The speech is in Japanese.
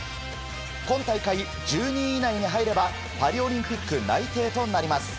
今大会、１２位以内に入ればパリオリンピック内定となります。